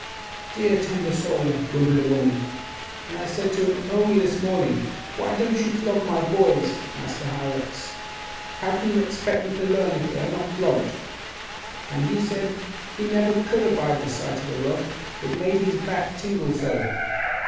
'Dear tender soul,' whimpered a woman; 'and I said to him only this morning, why don't you flog my boys, Master Hierax? how can you expect them to learn if they are not flogged? And he said, he never could abide the sight of a rod, it made his back tingle so.